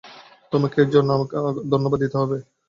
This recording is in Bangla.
তোমাকে এর জন্য আমায় ধন্যবাদ দিতে হবে।